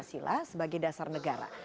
pancasila sebagai dasar negara